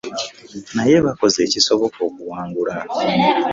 Naye bakoze ekisoboka okuwagula.